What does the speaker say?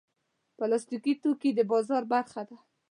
پلاستيکي توکي د بازار برخه ده.